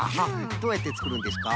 どうやってつくるんですか？